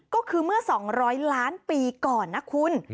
ก็คือเมื่อ๒๐๐ล้านปีก่อนนะคุณ